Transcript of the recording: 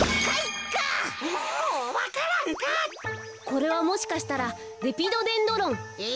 これはもしかしたらレピドデンドロン。え？